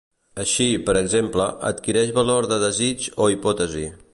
Així, per exemple, adquireix valor de desig o hipòtesi.